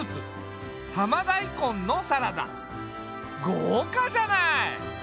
豪華じゃない！